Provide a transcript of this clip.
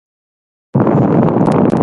سبا به د تېر په څېر هوا ډېره توده وي.